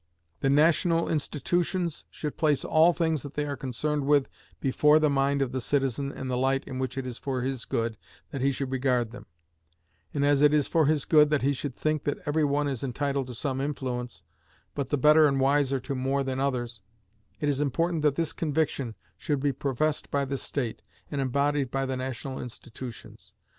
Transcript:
The national institutions should place all things that they are concerned with before the mind of the citizen in the light in which it is for his good that he should regard them; and as it is for his good that he should think that every one is entitled to some influence, but the better and wiser to more than others, it is important that this conviction should be professed by the state, and embodied in the national institutions.